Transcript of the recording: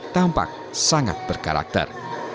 tampak sangat berkarakter